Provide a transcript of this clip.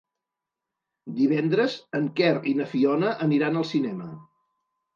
Divendres en Quer i na Fiona aniran al cinema.